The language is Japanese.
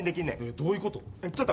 どういうこと？